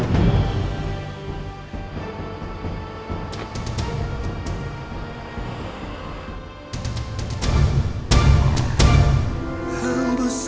aku akan pergi